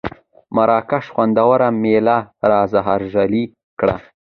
مراکش خوندوره مېله را زهرژلې کړه.